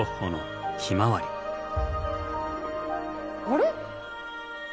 あれ？